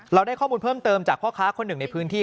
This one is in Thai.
เราได้ข้อมูลเพิ่มเติมจากพ่อค้าคนหนึ่งในพื้นที่